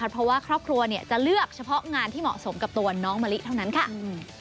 เพราะว่าครอบครัวเนี่ยจะเลือกเฉพาะงานที่เหมาะสมกับตัวน้องมะลิเท่านั้นค่ะ